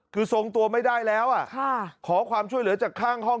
คือทรงตัวไม่ได้แล้วขอความช่วยเหลือจากข้างห้อง